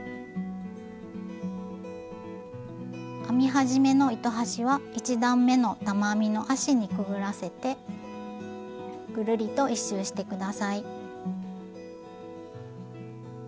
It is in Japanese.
編み始めの糸端は１段めの玉編みの足にくぐらせてぐるりと一周して下さい。